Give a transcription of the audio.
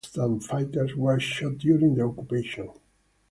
Hundreds of captured resistance fighters were shot during the occupation.